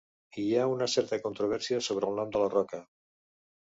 Hi ha una certa controvèrsia sobre el nom de la roca.